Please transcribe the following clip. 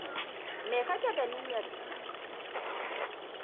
Me kake da niyar yi?